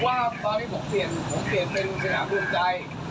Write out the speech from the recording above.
ผมเปลี่ยนเป็นสถานภูมิใจ